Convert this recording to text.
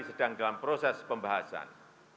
sedang dalam proses pembahasan